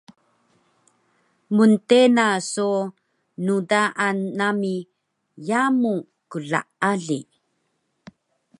mntena so ndaan nami yamu klaali